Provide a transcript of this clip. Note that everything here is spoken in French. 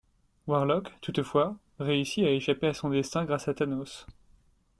Warlock, toutefois, réussit à échapper à son destin grâce à Thanos.